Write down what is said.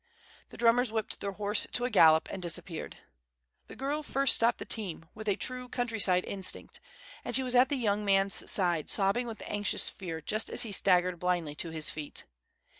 The drummers whipped their horse to a gallop, and disappeared. The girl first stopped the team, with a true country side instinct; and she was at the young man's side, sobbing with anxious fear, just as he staggered blindly to his feet.